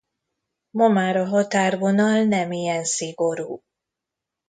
Ma már a határvonal nem ilyen szigorú.